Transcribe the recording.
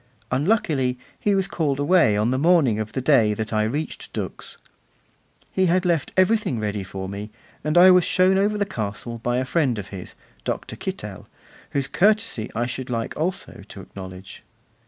Unluckily, he was called away on the morning of the day that I reached Dux. He had left everything ready for me, and I was shown over the castle by a friend of his, Dr. Kittel, whose courtesy I should like also to acknowledge.